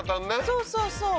そうそうそう。